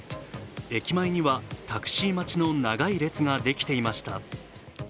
駅前にはタクシー待ちの長い列ができていました。